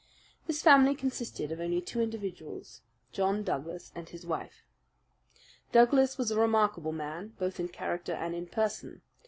This family consisted of only two individuals John Douglas and his wife. Douglas was a remarkable man, both in character and in person.